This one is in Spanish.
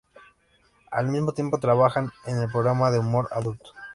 Al mismo tiempo trabajaban en el programa de humor adulto.